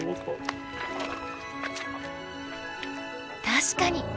確かに。